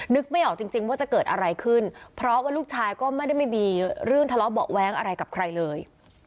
นึกไม่ออกจริงว่าจะเกิดอะไรขึ้นเพราะว่าลูกชายก็ไม่ได้ไม่มีเรื่องทะเลาะเบาะแว้งอะไรกับใครเลย